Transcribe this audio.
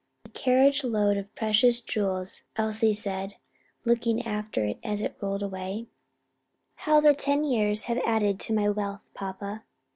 "A carriage load of precious jewels," Elsie said, looking after it as it rolled away: "how the ten years have added to my wealth, papa."